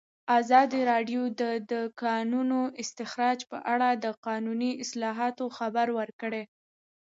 ازادي راډیو د د کانونو استخراج په اړه د قانوني اصلاحاتو خبر ورکړی.